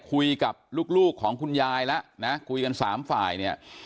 คุยกับลูกของคุณยายแล้วนะคุยกันสามฝ่ายเนี่ย